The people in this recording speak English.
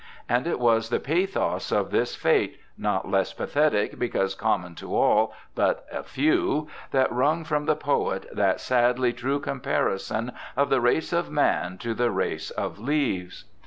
And it was the pathos of this fate, not less pathetic because common to all but a few, that wrung from the poet that sadly true comparison of the race of man to the race of leaves